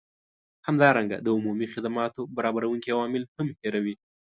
همدارنګه د عمومي خدماتو برابروونکي عوامل هم هیروي